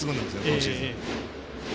今シーズン。